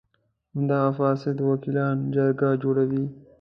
همدغه فاسد وکیلان جرګه جوړوي.